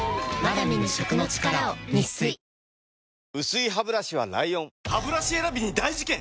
薄いハブラシは ＬＩＯＮハブラシ選びに大事件！